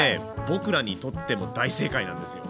僕らにとっても大正解なんですよ。